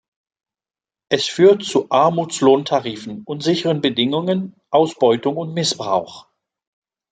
Es führt zu Armutslohntarifen, unsicheren Bedingungen, Ausbeutung und Missbrauch.